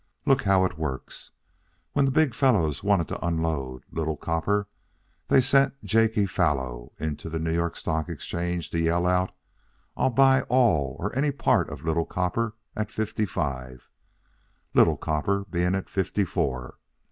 Look how it works. When the big fellows wanted to unload Little Copper, they sent Jakey Fallow into the New York Stock Exchange to yell out: 'I'll buy all or any part of Little Copper at fifty five,' Little Copper being at fifty four.